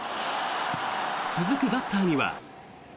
続くバッターには。